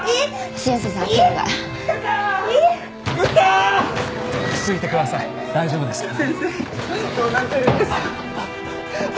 先生どうなってるんですか？